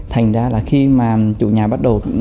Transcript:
thành ra là khi mà chủ nhà bắt đầu